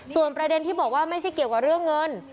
ส่วนประเด็นที่บอกว่าไม่ใช่เกี่ยวกับเรื่องเงิน